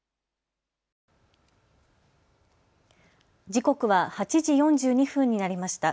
時刻は８時４２分になりました。